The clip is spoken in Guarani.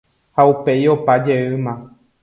ha upéi opa jeýma